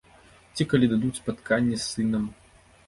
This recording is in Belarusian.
Ці калі дадуць спатканне з сынам.